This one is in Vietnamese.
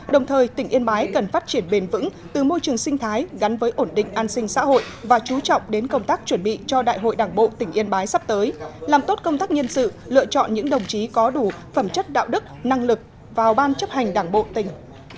đồng thời tỉnh yên bái cần phát triển bền vững từ môi trường sinh thái gắn với ổn định an sinh xã hội và chú trọng đến công tác chuẩn bị cho đại hội đảng bộ tỉnh yên bái sắp tới làm tốt công tác nhân sự lựa chọn những đồng chí có đủ phẩm chất đạo đức năng lực vào ban chấp hành đảng bộ tỉnh